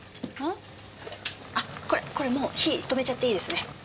あっこれこれもう火止めちゃっていいですね。